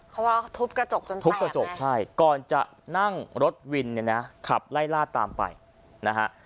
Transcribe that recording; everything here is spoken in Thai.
เขาว่าเขาทุบกระจกจนทุบกระจกใช่ก่อนจะนั่งรถวินเนี่ยนะขับไล่ล่าตามไปนะฮะ